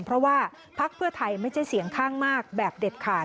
เพราะว่าพักเพื่อไทยไม่ใช่เสียงข้างมากแบบเด็ดขาด